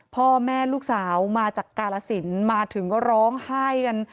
พ่อแม่ลูกสาวมาจากกาลสินมาถึงก็ร้องไห้กัน